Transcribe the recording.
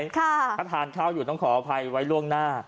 ถ้าทานข้าวอยู่ต้องขออภัยไว้ล่วงหน้า